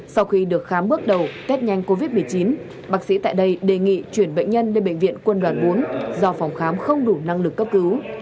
sau khi được khám bước đầu test nhanh covid một mươi chín bác sĩ tại đây đề nghị chuyển bệnh nhân lên bệnh viện quân đoàn bốn do phòng khám không đủ năng lực cấp cứu